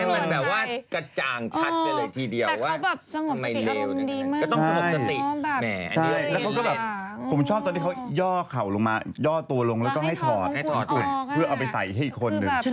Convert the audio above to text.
เอาให้มันแบบว่ากระจ่างชัดไปเลยทีเดียว